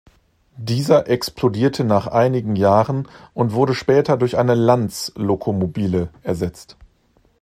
Dieser explodierte nach einigen Jahren und wurde später durch eine "Lanz-Lokomobile" ersetzt.